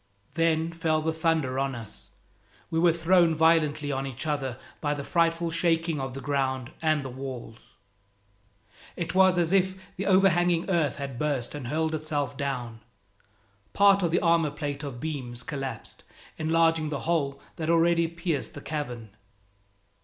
Then fell the thunder on us! We were thrown violently on each other by the frightful shaking of the ground and the walls. It was as if the overhanging earth had burst and hurled itself down. Part of the armor plate of beams collapsed, enlarging the hole that already pierced the cavern.